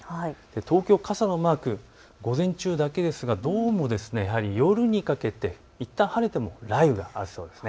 東京傘のマーク午前中だけですがどうもやはり夜にかけていったん晴れても雷雨はありそうです。